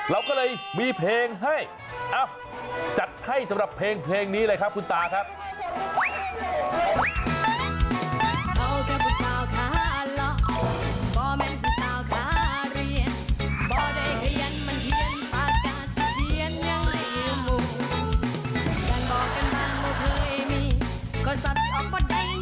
เราก็เลยมีเพลงให้เอ้าจัดให้สำหรับเพลงนี้เลยครับคุณตาครับ